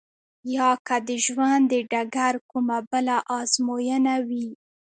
يا که د ژوند د ډګر کومه بله ازموينه وي.